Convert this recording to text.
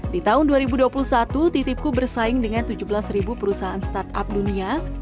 di tahun dua ribu dua puluh satu titipku bersaing dengan tujuh belas perusahaan startup dunia